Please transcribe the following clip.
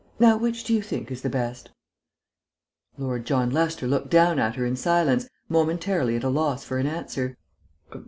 Now which do you think is the best?" Lord John Lester looked down at her in silence, momentarily at a loss for an answer.